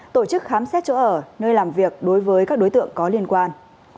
tổ chức khám xét chỗ ở nơi làm việc đối với các đối tượng có liên quan